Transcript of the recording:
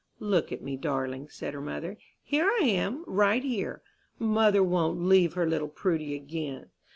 "Look at me, darling," said her mother, "here I am, right here. Mother won't leave her little Prudy again."